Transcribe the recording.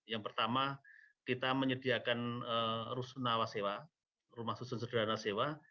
yang pertama kita menyediakan rusunawa sewa rumah susun sederhana sewa